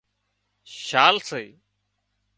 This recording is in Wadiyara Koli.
شال سي